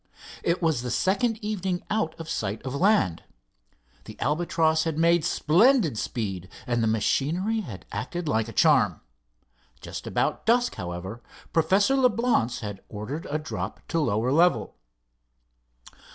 It was the second evening out of sight of land. The Albatross had made splendid speed, and the machinery had acted like a charm. Just about dusk, however, Professor Leblance had ordered a drop to lower level.